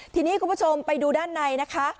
ทีนี้คุณผู้ชมไปดูด้านในนะคะ